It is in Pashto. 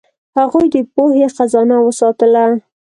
هغوی د پوهې خزانه وساتله.